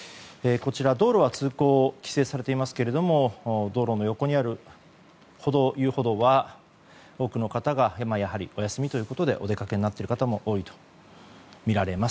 こちら道路は通行規制されていますけれど道路の横にある遊歩道は多くの方がやはりお休みということでお出かけになっている方も多いとみられます。